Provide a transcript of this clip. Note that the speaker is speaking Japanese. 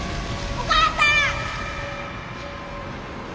お母さん！